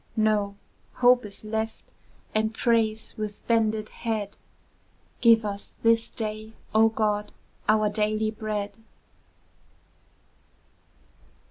No, Hope is left, and prays with bended head, "Give us this day, O God, our daily bread!"